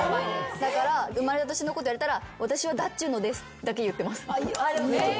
だから生まれた年のことを言われたら私は「だっちゅーのです」だけ言ってます。